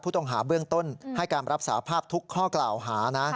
ผู้ต้องหาเบื้องต้นให้การรับสาภาพทุกข้อกล่าวหานะ